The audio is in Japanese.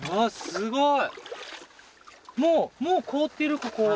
すごい！